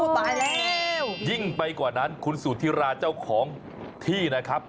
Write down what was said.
ตายแล้วยิ่งไปกว่านั้นคุณสุธิราเจ้าของที่นะครับ